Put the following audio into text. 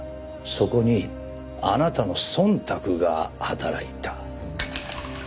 そこにあなたの忖度が働いた。